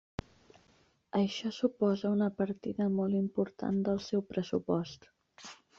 Això suposa una partida molt important del seu pressupost.